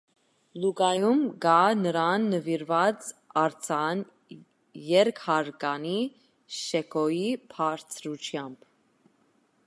Լուկայում կա նրան նվիրված արձան՝ երկհարկանի շեքօի բարձրությամբ։